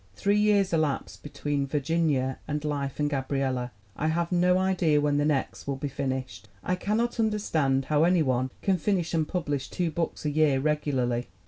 Three years elapsed be tween Virginia and Life and Gabriella. I have no idea when the next will be finished. I cannot under stand how any one can finish and publish two books a year regularly.